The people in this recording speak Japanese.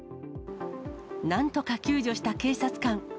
なんとか救助した警察官。